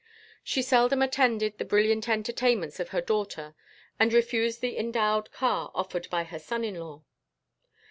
She seldom attended the brilliant entertainments of her daughter and refused the endowed car offered by her son in law.